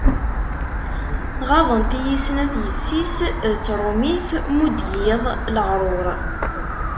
Ɣaḍent-iyi snat yessi-s, d trumit mu d-giḍ leɣrur.